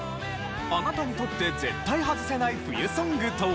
あなたにとって絶対ハズせない冬ソングとは？